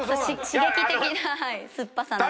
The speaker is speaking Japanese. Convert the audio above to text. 刺激的な酸っぱさなんで。